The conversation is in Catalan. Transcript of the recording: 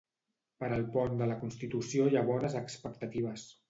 Per al pont de la Constitució hi ha bones expectatives.